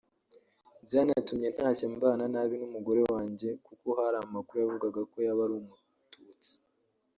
byanatumye ntashye mbana nabi n’umugore wanjye kuko hari amakuru yavugaga ko yaba ari Umututsi”